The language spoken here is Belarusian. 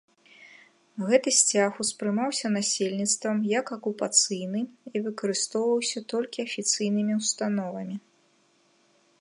Гэты сцяг успрымаўся насельніцтвам як акупацыйны і выкарыстоўваўся толькі афіцыйнымі ўстановамі.